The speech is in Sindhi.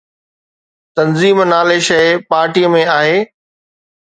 تنظيم نالي شيءِ پارٽي ۾ آهي.